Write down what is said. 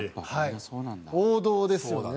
王道ですよね。